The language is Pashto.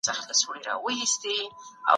د ټولني ستونزي په پوهي حل کېږي.